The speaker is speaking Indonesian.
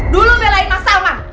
dulu belain mas salman